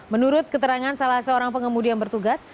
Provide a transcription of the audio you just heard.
menurut keterangan salah seorang pengemudi yang bertugas